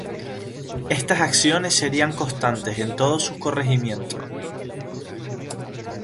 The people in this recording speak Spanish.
Estas acciones serían constantes en todos sus corregimientos.